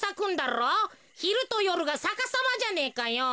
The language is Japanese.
ひるとよるがさかさまじゃねえかよ。